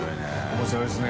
面白いですね。